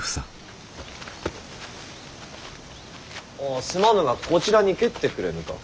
ああすまぬがこちらに蹴ってくれぬか。